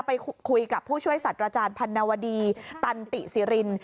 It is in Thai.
ไปคุยกับผู้ช่วยสัตว์อาจารย์พันนวดีตันติสิริน